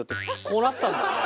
こうなったんだよね。